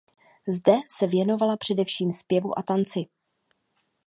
Zde se věnovala především zpěvu a tanci.